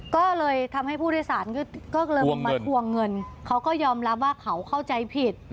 ก็เลยทำให้ผู้โดยสารก็เลยมาทวงเงินเขาก็ยอมรับว่าเขาเข้าใจผิด